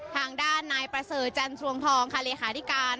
ทางด้านนายประเสริฐจันทรวงทองค่ะเลขาธิการ